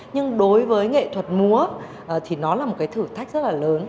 nhưng đối với nghệ thuật múa thì nó là một cái thử thách rất là lớn